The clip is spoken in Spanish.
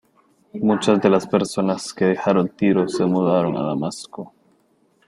Muchas de las personas que dejaron Tiro se mudaron a Damasco.